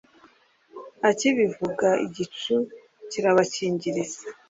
Akibivuga igicu kirabakingiriza